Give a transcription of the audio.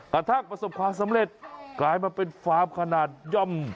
ประสบความสำเร็จกลายมาเป็นฟาร์มขนาดย่อม